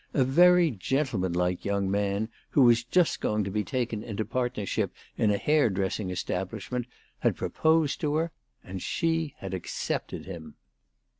A very gentlemanlike young man, who was just going to be taken into partnership in a hairdressing establishment, had proposed to her ; and she had accepted him.